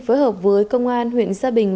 phối hợp với công an huyện gia bình